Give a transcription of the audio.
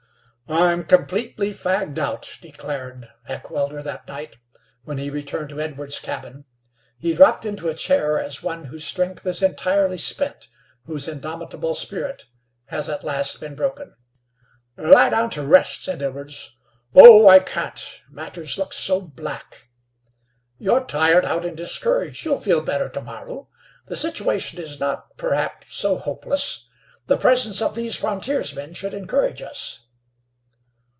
"I'm completely fagged out," declared Heckewelder, that night when he returned to Edwards' cabin. He dropped into a chair as one whose strength is entirely spent, whose indomitable spirit has at last been broken. "Lie down to rest," said Edwards. "Oh, I can't. Matters look so black." "You're tired out and discouraged. You'll feel better to morrow. The situation is not, perhaps, so hopeless. The presence of these frontiersmen should encourage us."